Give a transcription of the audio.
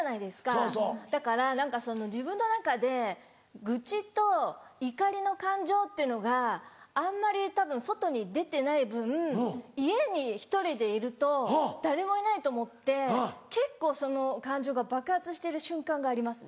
だから何か自分の中で愚痴と怒りの感情っていうのがあんまりたぶん外に出てない分家に１人でいると誰もいないと思って結構その感情が爆発してる瞬間がありますね。